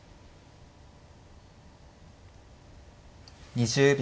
２０秒。